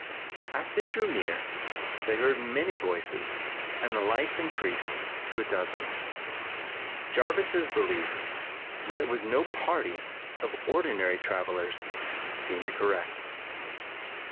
As they drew near, they heard many voices and the lights increased to a dozen. Jarvis's belief that it was no party of ordinary travelers seemed correct.